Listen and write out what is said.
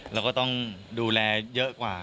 เราก็ต้องดูแลเยอะกว่า